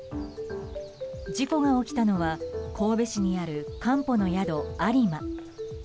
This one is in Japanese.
事故が起きたのは神戸市にあるかんぽの宿・有馬。